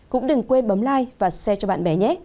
cũng đừng quên bấm like và share cho bạn bè nhé